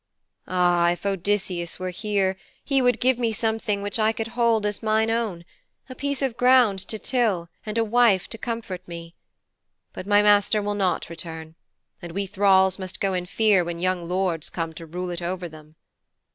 Ah, if Odysseus were here, he would give me something which I could hold as mine own a piece of ground to till, and a wife to comfort me. But my master will not return, and we thralls must go in fear when young lords come to rule it over them.'